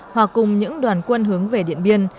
hòa cùng những đoàn quân hướng về điện biên